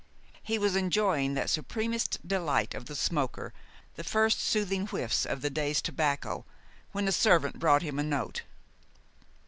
He was enjoying that supremest delight of the smoker the first soothing whiffs of the day's tobacco when a servant brought him a note.